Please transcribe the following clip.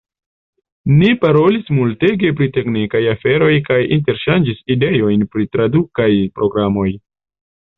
Ni parolis multege pri teknikaj aferoj kaj interŝanĝis ideojn pri tradukaj programoj.